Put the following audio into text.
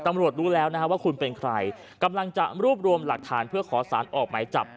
รู้แล้วนะฮะว่าคุณเป็นใครกำลังจะรวบรวมหลักฐานเพื่อขอสารออกหมายจับ